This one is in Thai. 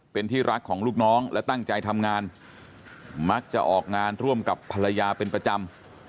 เป็นที่รักของลูกน้องและตั้งใจทำงานมักจะออกงานร่วมกับภรรยาเป็นประจำ